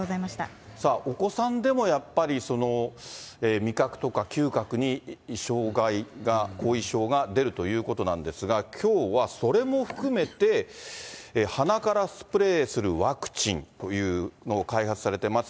さあ、お子さんでもやっぱり、味覚とか嗅覚に障害が、後遺症が出るということなんですが、きょうはそれも含めて、鼻からスプレーするワクチンというのを開発されてます